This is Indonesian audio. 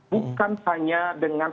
bukan hanya dengan